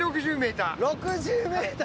６０ｍ⁉